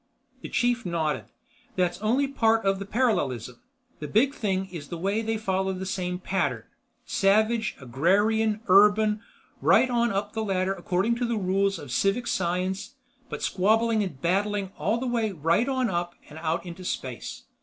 The chief nodded. "That's only part of the parallelism. The big thing is the way they follow the same pattern. Savage, agrarian, urban, right on up the ladder according to the rules of civic science but squabbling and battling all the way right on up and out into space.